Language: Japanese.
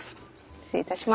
失礼いたします。